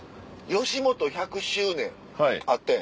吉本１００周年あったやん。